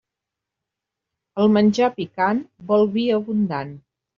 El menjar picant vol vi abundant.